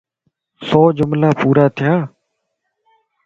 سوجملا پورا ٿيا؟